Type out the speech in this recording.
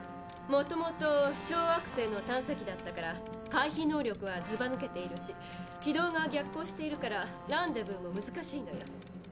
もともと小惑星の探査機だったから回避能力はずばぬけているし軌道が逆行しているからランデブーも難しいんだよ。